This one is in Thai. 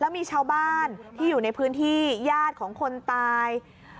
มีชาวบ้านที่อยู่ในพื้นที่ญาติของคนตาย